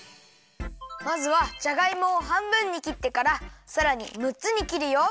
まずはじゃがいもをはんぶんにきってからさらにむっつにきるよ。